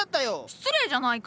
失礼じゃないか！